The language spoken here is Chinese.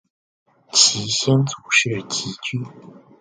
其先祖是汲郡。